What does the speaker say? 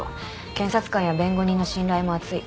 検察官や弁護人の信頼も厚い。